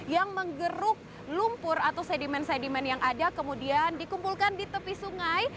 yang menggeruk lumpur atau sedimen sedimen yang ada kemudian dikumpulkan di tepi sungai